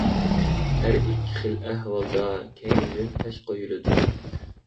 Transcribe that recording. ھەر ئىككى خىل ئەھۋالدا كەينىدىن پەش قويۇلىدۇ.